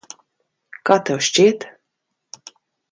Kā tev šķiet?